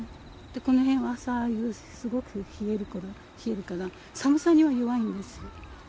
この辺は朝夕、すごく冷えるから、寒さには弱いんです。